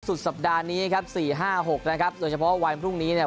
สุดสัปดาห์นี้ครับสี่ห้าหกนะครับโดยเฉพาะวันพรุ่งนี้เนี่ย